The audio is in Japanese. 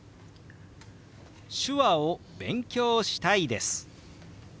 「手話を勉強したいです」。